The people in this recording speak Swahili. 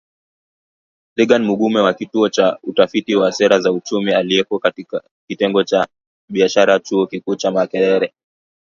Reagan Mugume wa Kituo cha Utafiti wa Sera za Uchumi, aliyeko Kitengo cha Biashara Chuo Kikuu cha Makerere.